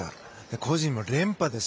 個人も連覇です。